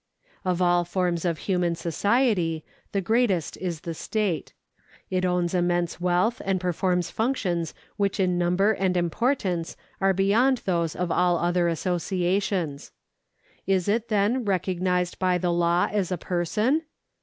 Of all forms of human society the greatest is the state. It owns immense wealth and performs functions which in num ber and importance are beyond those of all other associations. Is it, then, recognised by the law as a person